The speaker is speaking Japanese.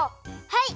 はい！